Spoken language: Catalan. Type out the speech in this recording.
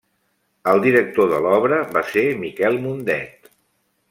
El director de l'obra va ser Miquel Mundet.